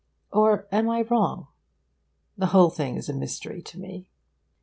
Or am I wrong? The whole thing is a mystery to me.